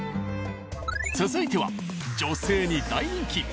続いては女性に大人気！